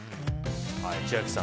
千秋さん